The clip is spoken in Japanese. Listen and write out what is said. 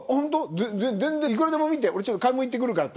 いくらでも見て俺、買い物行ってくるからと。